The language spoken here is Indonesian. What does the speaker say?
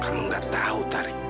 kamu gak tahu tari